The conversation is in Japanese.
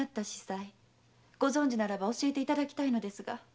ご存じならば教えていただきたいのですが。